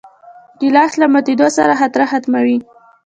ګیلاس له ماتېدو سره خاطره ختموي.